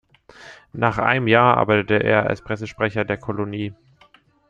Nach einem Jahr arbeitet er als Pressesprecher der Kolonie.